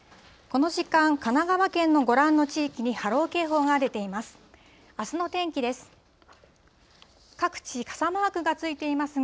この時間、神奈川県のご覧の地域に波浪警報が出ています。